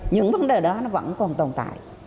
những vấn đề đó nó vẫn còn tồn tại